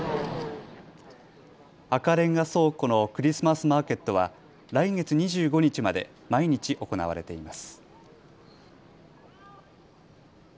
赤レンガ倉庫のクリスマスマーケットは来月２５日まで毎日、行われています。